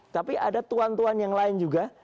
tapi ada tuan tuan yang lain juga